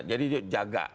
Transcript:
jadi dia jaga